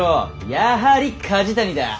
やはり梶谷だ。